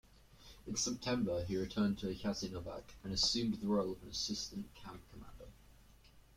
In September, he returned to Jasenovac and assumed the role of assistant-camp commander.